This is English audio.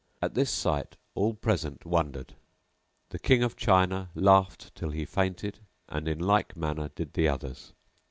At this sight all present wondered; the King of China laughed till he fainted and in like manner did the others.